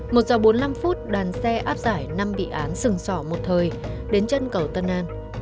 một giờ bốn mươi năm phút đoàn xe áp giải năm bị án sừng sỏ một thời đến chân cầu tân an